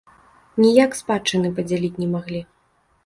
Ніяк спадчыны падзяліць не маглі.